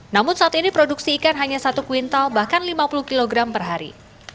namun saat ini produksi ikan hanya satu kuintal bahkan lima puluh kg per hari